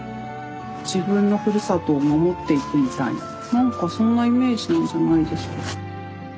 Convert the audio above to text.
自分のふるさとを守っていくみたいなそんなイメージなんじゃないですか。